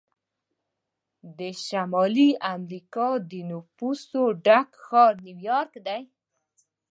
د شمالي امریکا د نفوسو ډک ښار نیویارک دی.